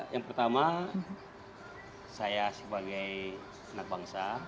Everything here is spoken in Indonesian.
yang pertama saya sebagai anak bangsa